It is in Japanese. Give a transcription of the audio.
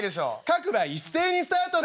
「各馬一斉にスタートです」。